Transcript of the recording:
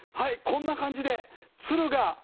こんな感じで鶴が。